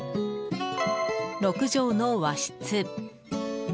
６畳の和室。